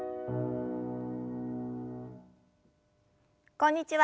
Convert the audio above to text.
こんにちは